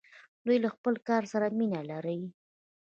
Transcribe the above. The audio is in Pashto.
دوی له خپل کار سره مینه لري.